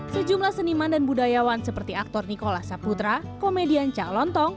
sejumlah seniman dan budayawan seperti aktor nikola saputra komedian cak lontong